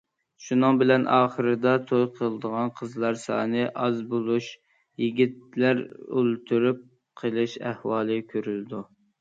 شۇنىڭ بىلەن ئاخىرىدا توي قىلىدىغان قىزلار سانى ئاز بولۇش، يىگىتلەر ئولتۇرۇپ قېلىش ئەھۋالى كۆرۈلىدۇ.